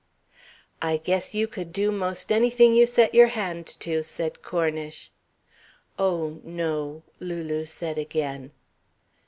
"I guess you could do 'most anything you set your hand to," said Cornish. "Oh, no," Lulu said again.